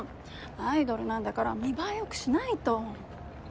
アイドルなんだから見栄えよくしないと。